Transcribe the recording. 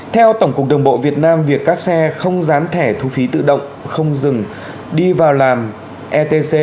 theo tổng cục đường bộ việt nam việc các xe không dán thẻ thu phí tự động không dừng đi vào làm etc